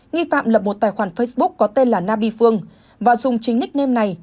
nghi phạm lập một tài khoản facebook có tên là nabi phương và dùng chính nickname này